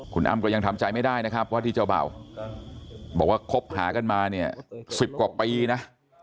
คุณอ้ำก็ยังทำใจไม่ได้นะครับว่าที่เจ้าเบ่าบอกว่าคบหากันมาเนี่ย๑๐กว่าปีนะ